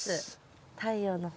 太陽の方。